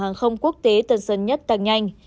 hàng không quốc tế tân dân nhất tăng nhanh